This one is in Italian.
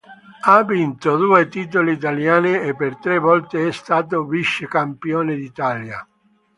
Ha vinto due titoli italiani e per tre volte è stato vice Campione d'Italia.